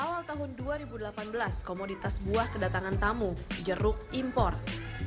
awal tahun dua ribu delapan belas komoditas buah kedatangan tamu jeruk impor